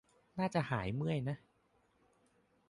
น่าจะหายเมื่อยนะ